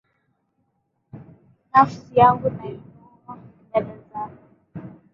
Nafsi yangu, naiinua mbele zako.